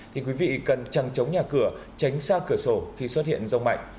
thì quý vị cần trăng chống nhà cửa tránh xa cửa sổ khi xuất hiện rông mạnh